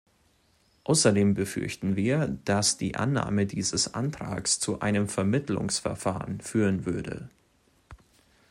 Außerdem befürchten wir, dass die Annahme dieses Antrags zu einem Vermittlungsverfahren führen würde.